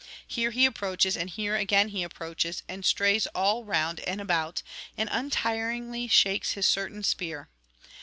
Here he approaches, and here again he approaches, and strays all round and about, and untiringly shakes his certain spear.